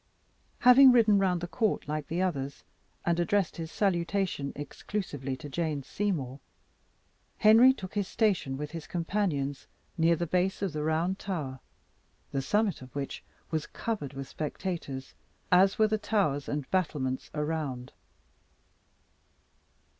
Having ridden round the court like the others, and addressed his salutation exclusively to Jane Seymour, Henry took his station with his companions near the base of the Round Tower, the summit of which was covered with spectators, as were the towers and battlements around.